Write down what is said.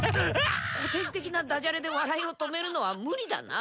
こてんてきなダジャレでわらいを止めるのはムリだな。